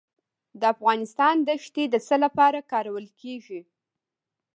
د افغانستان دښتې د څه لپاره کارول کیږي؟